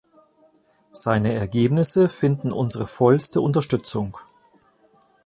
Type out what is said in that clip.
Seine Ergebnisse finden unsere vollste Unterstützung.